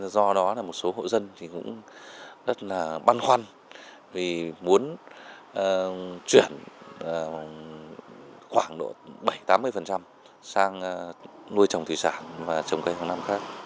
do đó là một số hộ dân thì cũng rất là băn khoăn vì muốn chuyển khoảng độ bảy tám mươi sang nuôi trồng thủy sản và trồng cây hàng năm khác